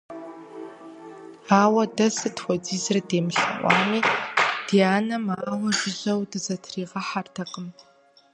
Ауэ дэ сыт хуэдизрэ демылъэӀуами, ди анэм ауэ жыжьэу дызытригъэхьэртэкъым.